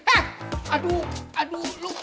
eh aduh aduh